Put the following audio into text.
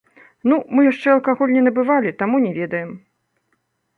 Ну, мы яшчэ алкаголь не набывалі, таму не ведаем.